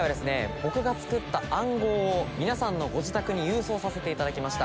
僕が作った暗号を皆さんのご自宅に郵送させていただきました。